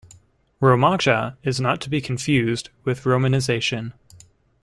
"Romaja" is not to be confused with "romanization".